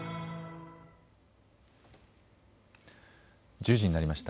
１０時になりました。